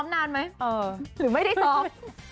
หรือไม่ได้ซอม